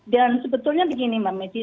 dan sebetulnya begini mbak meci